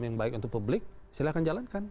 yang baik untuk publik silahkan jalankan